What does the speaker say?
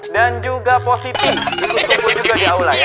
dan juga positi ikut kumpul juga di aula ya